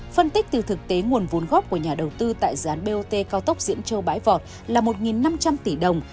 phân tích từ thực tế nguồn vốn góp của nhà đầu tư tại dự án bot cao tốc diễn châu bãi vọt là một năm trăm linh tỷ đồng